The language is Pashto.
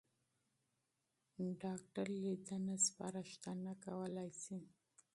ډاکټر معاینه سپارښتنه کولای شي.